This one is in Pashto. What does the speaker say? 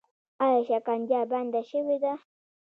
آیا شکنجه بنده شوې ده؟